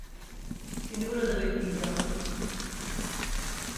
Seni burada bekleyeceğim.